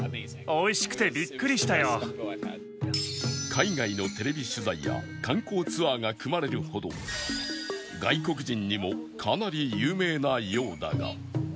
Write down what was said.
海外のテレビ取材や観光ツアーが組まれるほど外国人にもかなり有名なようだが